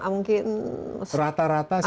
mungkin rata rata sih